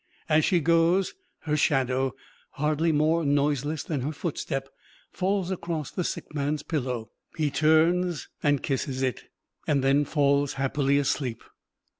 As she goes, her shadow, hardly more noiseless than her footstep, falls across the sick man's pillow; he turns and kisses it, and then falls happily asleep.